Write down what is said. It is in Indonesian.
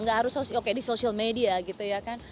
nggak harus oke di social media gitu ya kan